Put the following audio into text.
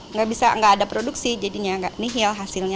nggak bisa nggak ada produksi jadinya nggak nihil hasilnya